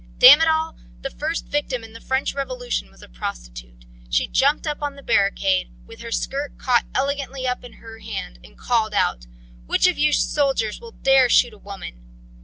Damn it all, the first victim in the French Revolution was a prostitute. She jumped up on to a barricade, with her skirt caught elegantly up into her hand and called out: 'Which of you soldiers will dare to shoot a woman?'